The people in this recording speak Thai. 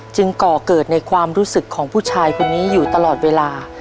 ก่อเกิดในความรู้สึกของผู้ชายคนนี้อยู่ตลอดเวลา